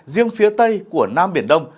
riêng phía tây của nam biển đông